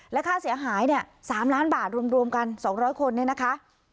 ราคาเสียหาย๓ล้านบาทรวมกัน๒๐๐คนเนี่ยนะคะ